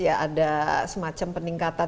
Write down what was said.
ada semacam peningkatan